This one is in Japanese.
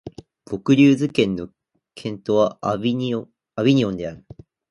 ヴォクリューズ県の県都はアヴィニョンである